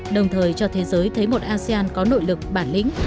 đồng thời cho thế giới thấy một asean có nội lực bản lĩnh